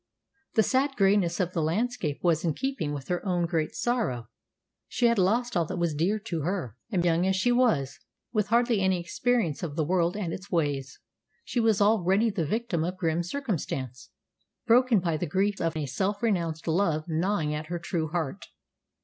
The sad greyness of the landscape was in keeping with her own great sorrow. She had lost all that was dear to her; and, young as she was, with hardly any experience of the world and its ways, she was already the victim of grim circumstance, broken by the grief of a self renounced love gnawing at her true heart.